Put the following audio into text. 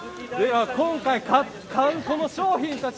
今回、買う商品たち